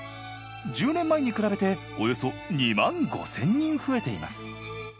１０年前に比べておよそ２万５，０００人増えています。